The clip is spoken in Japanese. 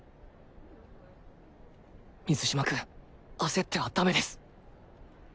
水嶋君焦ってはダメです